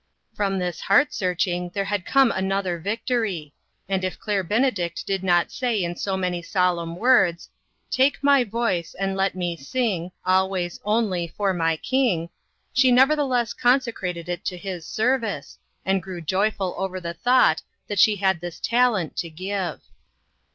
From this heart searching, there had come another victory; and if Claire Benedict did not say in so many solemn words, Take my voice, and let me sing Always, only, for my King, she nevertheless consecrated it to His service, and grew joyful over the thought that she had this talent to give.